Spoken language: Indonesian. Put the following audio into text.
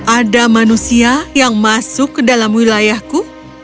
ada manusia yang masuk ke dalam wilayahku